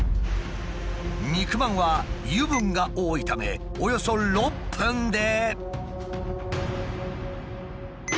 肉まんは油分が多いためおよそ６分で。